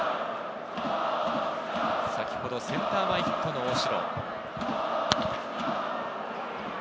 先ほどセンター前ヒットの大城。